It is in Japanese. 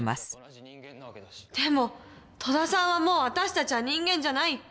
でも戸田さんはもう私たちは人間じゃないって。